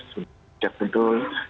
sebut pijak pedul